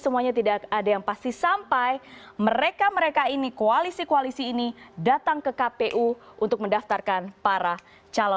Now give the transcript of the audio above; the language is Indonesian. semuanya tidak ada yang pasti sampai mereka mereka ini koalisi koalisi ini datang ke kpu untuk mendaftarkan para calon